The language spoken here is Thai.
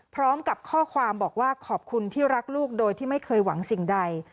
พร้อมกับข้อความบอกว่าขอบคุณที่รักลูกโดยที่ไม่เคยหวังสิ่งใด